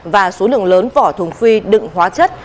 và số lượng lớn vỏ thùng phi đựng hóa chất